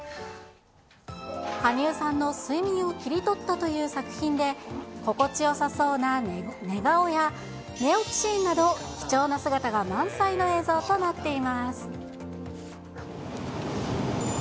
羽生さんの睡眠を切り取ったという作品で、心地よさそうな寝顔や、寝起きシーンなど、貴重な姿が満載の映像となっています。